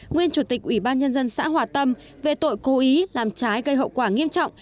nguyên chủ tịch ủy ban nhân dân xã hòa tâm về tội cố ý làm trái gây hậu quả nghiêm trọng